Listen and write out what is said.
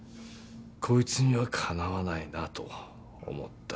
こいつにはかなわないなと思った。